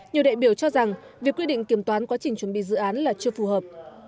nhiều đại biểu cho rằng việc quy định kiểm toán quá trình chuẩn bị dự án là chưa phù hợp